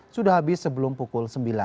sudah habis sebelum pukul sembilan